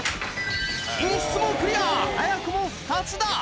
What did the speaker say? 寝室もクリア早くも２つだ。